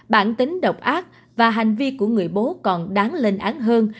bản tính độc ác và hành vi của người bố còn đáng lên án hơn